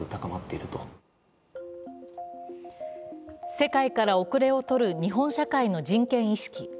世界から遅れをとる日本社会の人権意識。